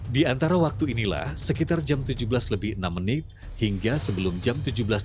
di antara waktu inilah sekitar jam tujuh belas lebih enam menit hingga sebelum jam tujuh belas tiga puluh